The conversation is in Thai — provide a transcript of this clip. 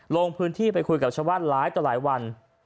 ลงพื้นที่ไปคุยกับชาวบ้านหลายต่อหลายวัน